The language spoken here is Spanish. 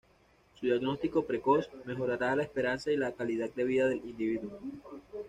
Su diagnóstico precoz mejorará la esperanza y la calidad de vida del individuo.